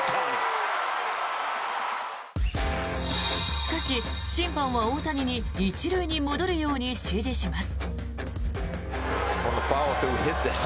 しかし、審判は大谷に１塁に戻るよう指示します。